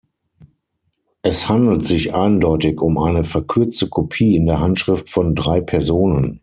Es handelt sich eindeutig um eine verkürzte Kopie in der Handschrift von drei Personen.